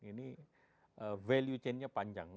ini value chain nya panjang